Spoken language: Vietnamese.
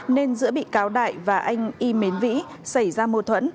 nên giữa bị cáo đại và anh y mến vĩ xảy ra mâu thuẫn